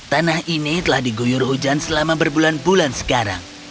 tanah ini telah diguyur hujan selama berbulan bulan sekarang